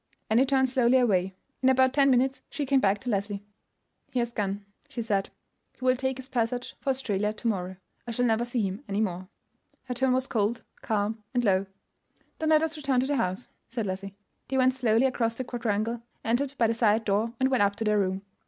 Annie turned slowly away. In about ten minutes she came back to Leslie. "He has gone," she said. "He will take his passage for Australia to morrow. I shall never see him any more." Her tone was cold, calm, and low. "Then let us return to the house," said Leslie. They went slowly across the quadrangle, entered by the side door, and went up to their room.